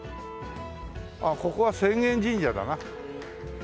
ああここは浅間神社だな。